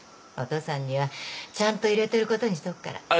お父さんにはちゃんと入れてることにしとくから。